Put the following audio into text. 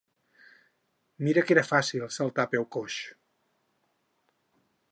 Mira que era fàcil, saltar a peu coix!